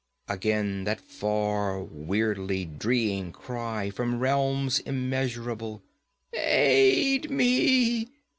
Again that far, weirdly dreeing cry, from realms immeasurable. 'Aid me!